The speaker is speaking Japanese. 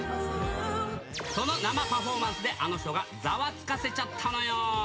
その生パフォーマンスで、あの人がざわつかせちゃったのよ。